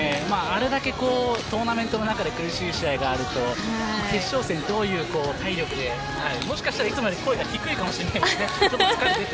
あれだけ、トーナメントの中で苦しい試合があると決勝戦どういう体力でもしかしたらいつもより声が低いかもしれませんね。